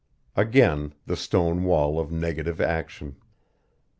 Again the stone wall of negative action.